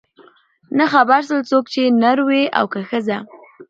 نه خبر سول څوک چي نر وې او که ښځه